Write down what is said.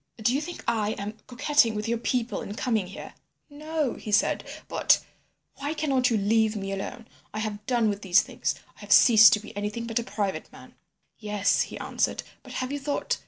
Do you think I am coquetting with your people in coming here?' "'No,' he said. 'But—' "'Why cannot you leave me alone. I have done with these things. I have ceased to be anything but a private man.' "'Yes,' he answered. 'But have you thought?